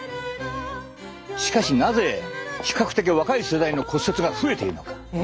しかしなぜ比較的若い世代の骨折が増えているのか？